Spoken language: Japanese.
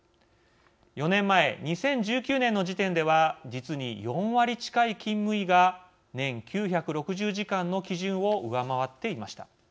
４年前、２０１９年の時点では実に４割近い勤務医が年９６０時間の基準を上回っていました。